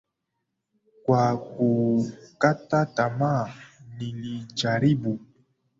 Kwa kukata tamaa nilijaribu.